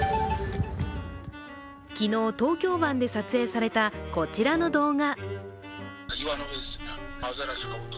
昨日、東京湾で撮影されたこちらの動画。